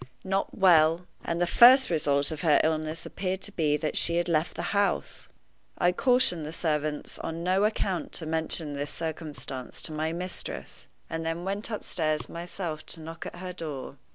Not well! And the first result of her illness appeared to be that she had left the house! I cautioned the servants on no account to mention this circumstance to my mistress, and then went upstairs myself to knock at her door.